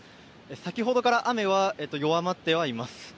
先程から雨は弱まってはいます。